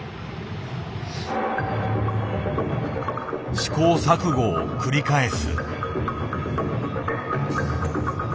試行錯誤を繰り返す。